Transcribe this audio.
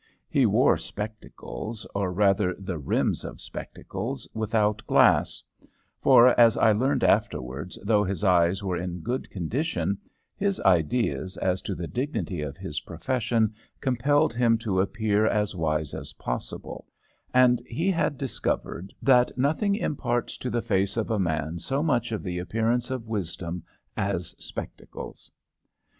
He wore spectacles or, rather, the rims of spectacles, without glass; for, as I learned afterwards, though his eyes were in good condition, his ideas as to the dignity of his profession compelled him to appear as wise as possible, and he had discovered that nothing imparts to the face of man so much of the appearance of wisdom as spectacles.